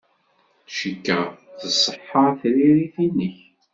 Cikkeɣ tṣeḥḥa tririt-nnek.